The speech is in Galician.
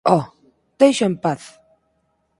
Oh, déixao en paz.